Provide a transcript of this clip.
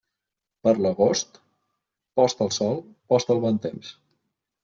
Per l'agost, post el sol, post el bon temps.